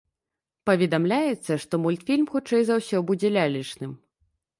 Паведамляецца, што мультфільм хутчэй за ўсё будзе лялечным.